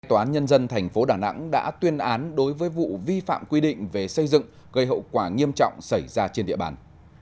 tòa án nhân dân tp đà nẵng đã tuyên án đối với vụ vi phạm quy định về xây dựng gây hậu quả nghiêm trọng xảy ra trên địa bàn